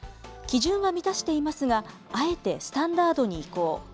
基準は満たしていますが、あえてスタンダードに移行。